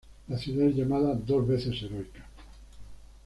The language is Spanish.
La ciudad es llamada "Dos veces heroica".